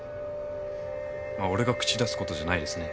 まあ俺が口出すことじゃないですね。